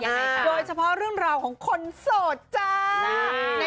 โดยเฉพาะเรื่องราวของคนโสดจ้า